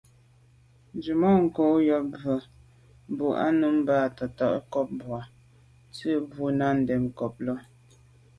(swatəncob à bwôgmbwə̀ mbwɔ̂ α̂ nǔm bα̌ to’tə ncob boὰ tsə̀ bò nâ’ ndɛ̂n ncob lα.